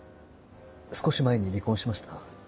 少し前に離婚しました。